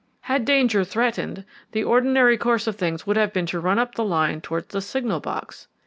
Had danger threatened, the ordinary course of things would have been to run up the line towards the signal box.